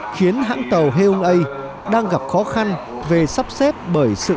khiến hãng tàu hê ung ây đang gặp khó khăn về sắp xếp bởi sự ồn tắc